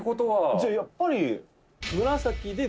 「じゃあやっぱり紫で」